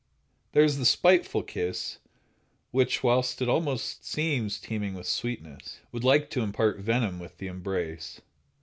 There is the spiteful kiss, which, whilst it seems teeming with sweetness, would like to impart venom with the embrace.